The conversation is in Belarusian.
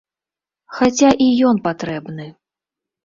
Хаця і ён патрэбны.